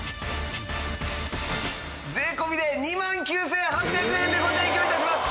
税込で２万９８００円でご提供致します！